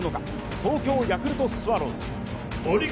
東京ヤクルトスワローズ。